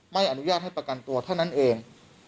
ไม่อนุญาตให้ประกันตัวเท่านั้นเอง